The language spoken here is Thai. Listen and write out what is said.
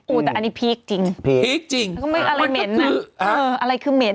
อุ้ยแต่อันนี้พีคจริงพีคจริงอะไรเหม็นน่ะอะไรคือเหม็น